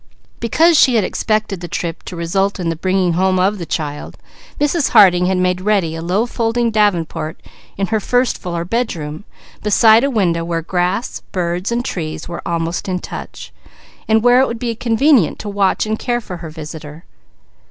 Because she had expected the trip to result in the bringing home of the child, Mrs. Harding had made ready a low folding davenport in her first floor bedroom, beside a window where grass, birds and trees were almost in touch, and where it would be convenient to watch and care for her visitor.